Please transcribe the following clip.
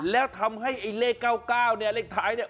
และทำให้เลข๙๙เลขท้าย